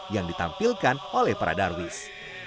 yang ditampilkan oleh para darwis